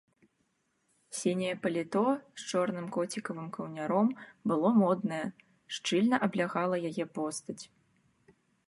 Сіняе паліто з чорным коцікавым каўняром было моднае, шчыльна аблягала яе постаць.